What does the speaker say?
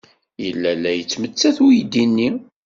Yella la yettmettat uydi-nni.